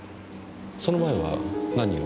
その前は何を？